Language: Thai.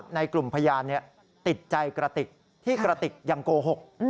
ในกลุ่มพยานติดใจกระติกที่กระติกยังโกหก